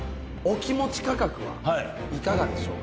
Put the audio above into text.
お気持ち価格はいかがでしょうか？